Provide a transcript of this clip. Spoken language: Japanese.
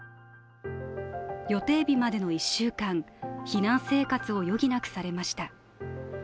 予定日までの１週間、避難生活を余儀なくされました。